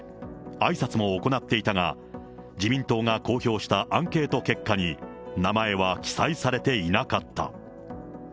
あいさつも行っていたが、自民党が公表したアンケート結果に名前は記載されていなかった。